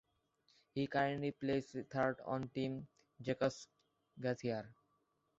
He currently plays third on Team Jacques Gauthier.